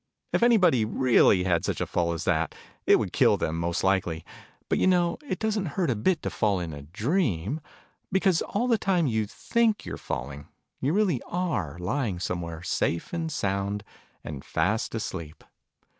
If anybody really had such a fall as that, it would kill them, most likely : but you know it doesn't hurt a bit to fall in a dream, because, all the time you think you're falling, you really are lying somewhere, safe and sound, and fast asleep